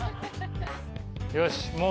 よしもう